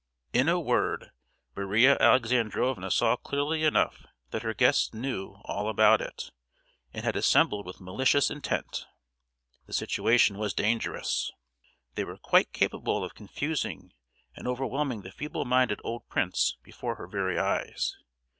In a word, Maria Alexandrovna saw clearly enough that her guests knew all about it, and had assembled with malicious intent! The situation was dangerous! They were quite capable of confusing and overwhelming the feeble minded old prince before her very eyes!